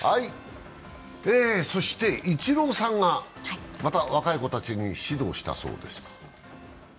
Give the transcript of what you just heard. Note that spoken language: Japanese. そしてイチローさんがまた若い子たちに指導したそうです。